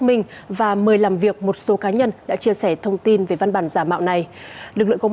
minh và mời làm việc một số cá nhân đã chia sẻ thông tin về văn bản giả mạo này lực lượng công